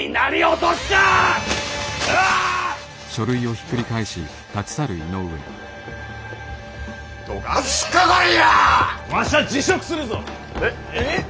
わしゃ辞職するぞ！え？